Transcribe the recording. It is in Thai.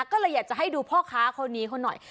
ก็เลยอยากจะให้ดูพ่อค้าคนนี้เขาหน่อย